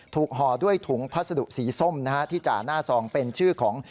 ห่อด้วยถุงพัสดุสีส้มนะฮะที่จ่าหน้าซองเป็นชื่อของ